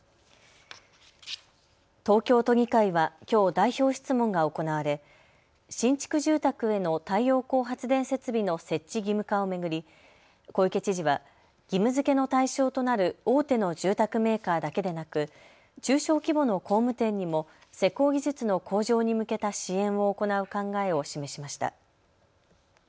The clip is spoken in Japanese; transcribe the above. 東京都議会はきょう、代表質問が行われ新築住宅への太陽光発電設備の設置義務化を巡り小池知事は義務づけの対象となる大手の住宅メーカーだけでなく中小規模の工務店にも施工技術の向上に向けた支援を行う考えを示しました。